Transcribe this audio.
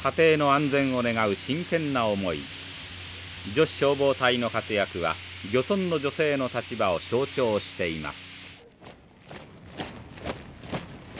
女子消防隊の活躍は漁村の女性の立場を象徴しています。